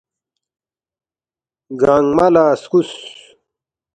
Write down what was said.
گنگمہ لہ سکوس